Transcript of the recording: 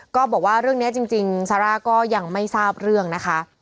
ก็บอกว่าเรื่องนี้จริงซาร่าก็ยังไม่ทราบเรื่องนะคะ